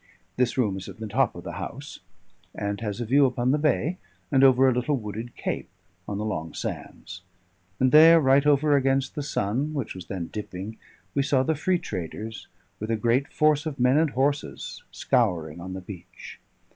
This room is in the top of the house, and has a view upon the bay, and over a little wooded cape, on the long sands; and there, right over against the sun, which was then dipping, we saw the free traders, with a great force of men and horses, scouring on the beach.